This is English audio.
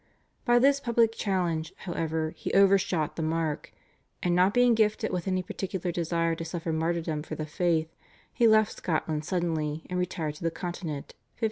By this public challenge, however, he overshot the mark, and not being gifted with any particular desire to suffer martyrdom for the faith, he left Scotland suddenly and retired to the Continent (1556).